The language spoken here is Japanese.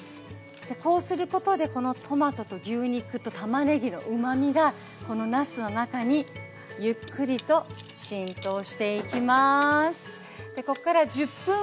こうすることでこのトマトと牛肉とたまねぎのうまみがこのなすの中にゆっくりと浸透していきます。